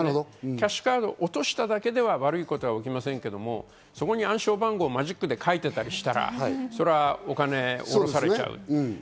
キャッシュカードを落としただけでは、悪い事は起きませんけど、そこに暗証番号をマジックで書いてあったりしたらそれはお金をおろされちゃう。